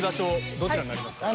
どちらになりますか？